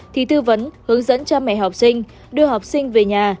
thì tư vấn hướng dẫn cha mẹ học sinh đưa học sinh về nhà